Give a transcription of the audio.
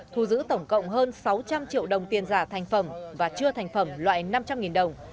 thu giữ tổng cộng hơn sáu trăm linh triệu đồng tiền giả thành phẩm và chưa thành phẩm loại năm trăm linh đồng